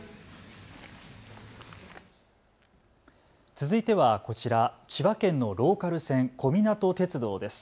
続いてはこちら、千葉県のローカル線、小湊鐵道です。